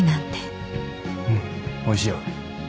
うんおいしいよ。